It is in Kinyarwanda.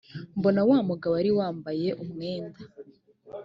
mbona wa mugabo wari wambaye umwenda